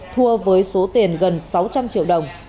thua với số tiền gần sáu trăm linh triệu đồng